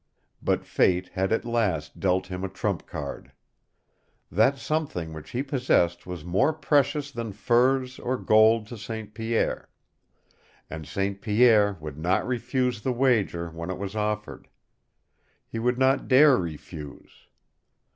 But fate had at last dealt him a trump card. That something which he possessed was more precious than furs or gold to St. Pierre, and St. Pierre would not refuse the wager when it was offered. He would not dare refuse.